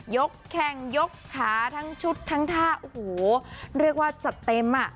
แข้งยกขาทั้งชุดทั้งท่าโอ้โหเรียกว่าจัดเต็มอ่ะ